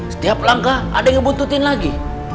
setiap langkah ada yang ngebuntutin lagi